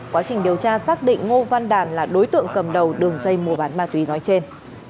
quá trình điều tra xác định ngô văn đàn là đối tượng cầm đầu đường dây mua bán ma túy nói trên